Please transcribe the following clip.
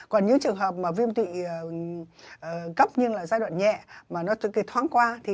còn những trường hợp viêm tụy cấp